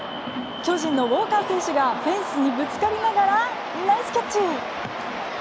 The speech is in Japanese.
巨人のウォーカー選手がフェンスにぶつかりながらナイスキャッチ。